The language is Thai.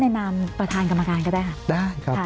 เรียนสัมภาษณ์ในนามประธานกรรมการก็ได้ครับ